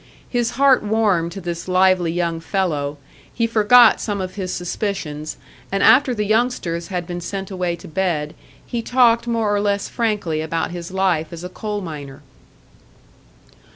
His heart warmed to this lively young fellow; he forgot some of his suspicions, and after the youngsters had been sent away to bed, he talked more or less frankly about his life as a coal miner.